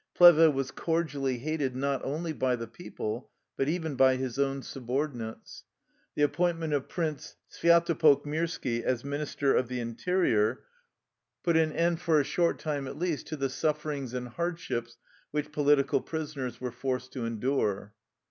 Plehve was cordially hated not only by the people, but even by his own subordinates. The appointment of Prince Svya topolk Mirski as minister of the interior put an 87 THE LIFE STOEY OF A RUSSIAN EXILE end, for a short time at least, to the sufferings and hardships, which political prisoners were forced to endure.